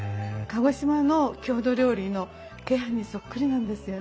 鹿児島の郷土料理の鶏飯にそっくりなんですよ。